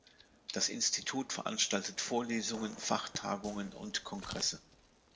Das Institut veranstaltet Vorlesungen, Fachtagungen und Kongresse.